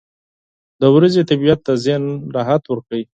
• د ورځې طبیعت د ذهن راحت ورکوي.